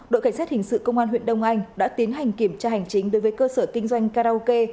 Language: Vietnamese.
đội cảnh sát hình sự công an huyện đông anh đã tiến hành kiểm tra hành chính đối với cơ sở kinh doanh karaoke